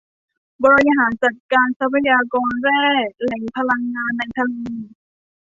บริหารจัดการทรัพยากรแร่ แหล่งพลังงาน ในทะเล